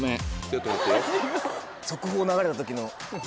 速報流れた時の。